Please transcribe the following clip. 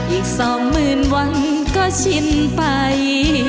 อีกสองหมื่นวันก็ชินไป